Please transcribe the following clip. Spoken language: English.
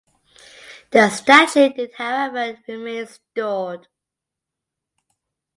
The statue did however remain stored.